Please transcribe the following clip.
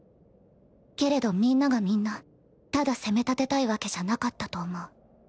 けれどみんながみんなただ責め立てたいワケじゃなかったと思う。